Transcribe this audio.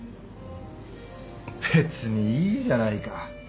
別にいいじゃないか。